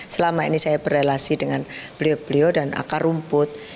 selama ini saya berrelasi dengan beliau beliau dan akar rumput